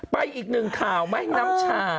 ไปอีกนึงข่าวแม่งน้ำชา